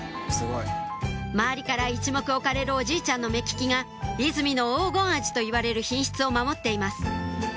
周りから一目置かれるおじいちゃんの目利きが「出水の黄金アジ」といわれる品質を守っています